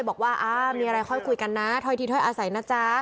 บอกว่ามีอะไรค่อยคุยกันนะถ้อยทีถ้อยอาศัยนะจ๊ะ